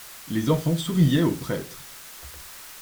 Les enfants souriaient au prêtre.